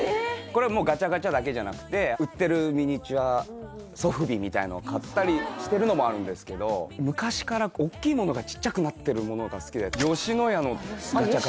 これもうガチャガチャだけじゃなくて売ってるミニチュアソフビみたいのを買ったりしてるのもあるんですけど昔からおっきいものがちっちゃくなってるものが好きであっ吉野家